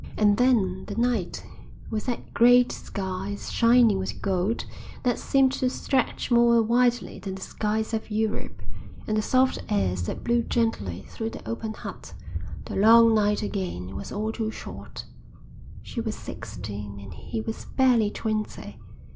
And then the night, with that great, sky shining with gold, that seemed to stretch more widely than the skies of Europe, and the soft airs that blew gently through the open hut, the long night again was all too short. She was sixteen and he was barely twenty.